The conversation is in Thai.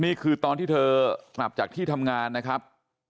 นี่คือตอนที่เธอกลับจากที่ทำงานนะครับ